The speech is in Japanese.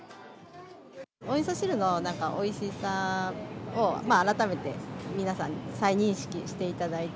おみそ汁のおいしさを改めて皆さんに再認識していただいて。